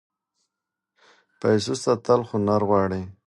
د پیسو ساتل هنر غواړي.